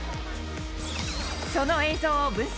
その映像を分析。